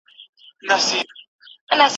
اوس به څه کوو ملګرو په ایمان اعتبار نسته